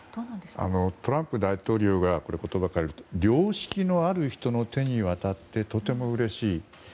トランプ大統領の言葉を借りると良識のある人の手に渡ってとてもうれしい。